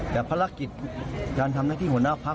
แต่ภารกิจการทำหน้าที่หัวหน้าพัก